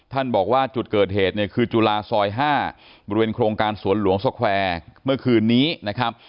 บอกว่าจุดเกิดเหตุเนี่ยคือจุฬาซอย๕บริเวณโครงการสวนหลวงสแควร์เมื่อคืนนี้นะครับ